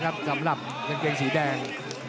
ไม่เป็นเหมือนกันนะครับสำหรับกางเกงสีแดง